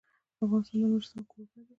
افغانستان د نورستان کوربه دی.